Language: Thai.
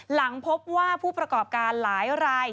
หลังพบว่าผู้ประกอบการหลายราย